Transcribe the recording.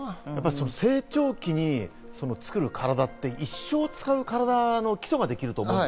成長期につくる体って、一生使う体の基礎ができると思う。